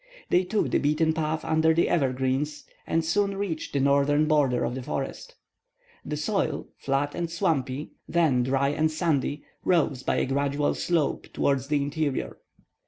They took the beaten path under the evergreens, and soon reached the northern border of the forest. The soil, flat and swampy, then dry and sandy, rose by a gradual slope towards the interior.